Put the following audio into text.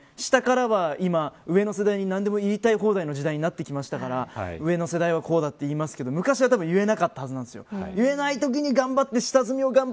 下からは今、上の世代に言いたい放題の時代になってきましたから上の世代はこうなっていますけど昔は言えなかったはずなんですよ。